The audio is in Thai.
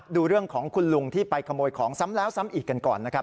ดูเรื่องของคุณลุงที่ไปขโมยของซ้ำแล้วซ้ำอีกกันก่อนนะครับ